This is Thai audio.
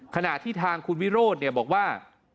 ขณะที่ทางคุณวิโรธบอกว่า